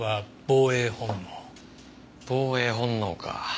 防衛本能か。